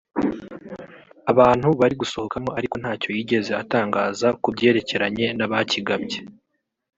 abantu bari gusohokamo ariko ntacyo yigeze atangaza ku byerekeranya n’abakigabye